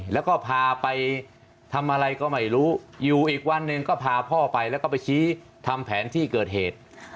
แล้วก็พาไปทำอะไรก็ไม่รู้อยู่อีกวันหนึ่งก็พาพ่อไปแล้วก็ไปชี้ทำแผนที่เกิดเหตุ